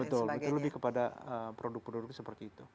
betul itu lebih kepada produk produknya seperti itu